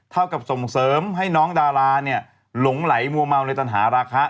กับส่งเสริมให้น้องดาราเนี่ยหลงไหลมัวเมาในตันหาราคา